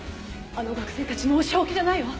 あの学生たちもう正気じゃないわ！